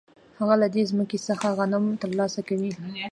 هغه له دې ځمکې څخه غنم ترلاسه کوي